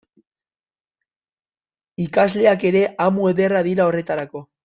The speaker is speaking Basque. Ikasleak ere amu ederra dira horretarako.